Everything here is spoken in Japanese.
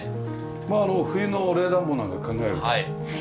まああの冬の冷暖房なんか考えるとねえ。